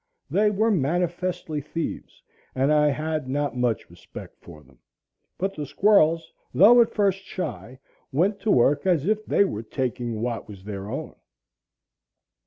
They were manifestly thieves, and I had not much respect for them; but the squirrels, though at first shy, went to work as if they were taking what was their own.